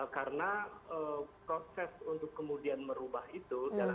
karena proses untuk kemudian merubah itu